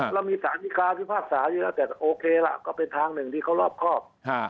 เรามีสารพิการพิพากษาอยู่แล้วแต่โอเคล่ะก็เป็นทางหนึ่งที่เขารอบครอบ